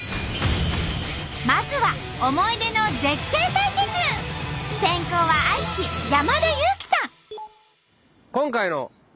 まずは先攻は愛知山田裕貴さん。